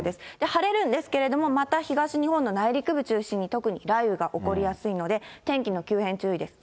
晴れるんですけれども、また東日本の内陸部中心に、特に雷雨が起こりやすいので、天気の急変、注意です。